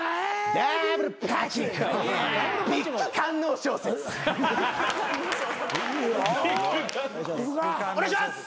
お願いします！